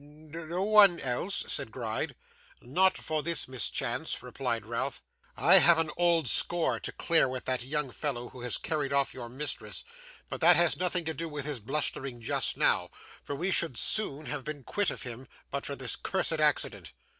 'N n no one else?' said Gride. 'Not for this mischance,' replied Ralph. 'I have an old score to clear with that young fellow who has carried off your mistress; but that has nothing to do with his blustering just now, for we should soon have been quit of him, but for this cursed accident.